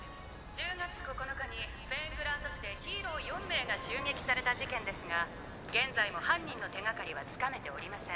１０月９日にフェーングラート市でヒーロー４名が襲撃された事件ですが現在も犯人の手がかりはつかめておりません。